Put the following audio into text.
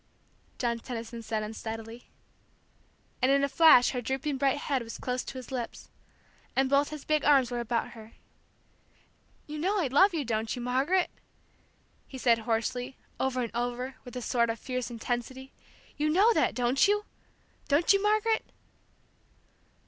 John Tenison said unsteadily. And in a flash her drooping bright head was close to his lips, and both his big arms were about her. "You know I love you, don't you Margaret?" he said hoarsely, over and over, with a sort of fierce intensity. "You know that, don't you? Don't you, Margaret?"